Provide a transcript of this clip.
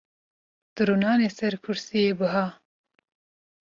Tu rûnanî ser kursiyê biha.